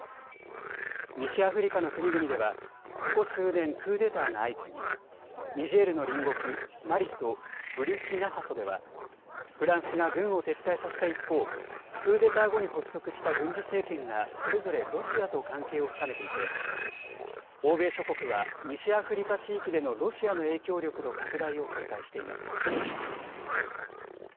西アフリカの国々ではここ数年、クーデターが相次ぎニジェールの隣国マリとブルキナファソではフランスが軍を撤退させた一方、クーデター後に発足した軍事政権がそれぞれロシアと関係を深めていて欧米諸国は西アフリカ地域でのロシアの影響力の拡大を警戒しています。